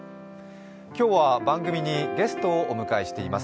今日は番組にゲストをお迎えしてります。